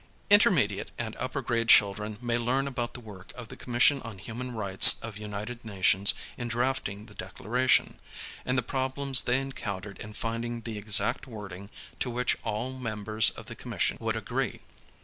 Intermediate and upper grade children may learn about the work of the Commission on Human Rights of United Nations in drafting the Declaration, and the problems they encountered in finding the exact wording to which all members of the Commission would agree.